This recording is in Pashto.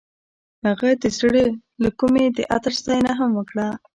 هغې د زړه له کومې د عطر ستاینه هم وکړه.